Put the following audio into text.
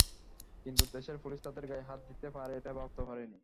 কিন্তু দেশের পুলিশ তাদের গায়ে হাত দিতে পারে এটা ভাবতেও পারিনি।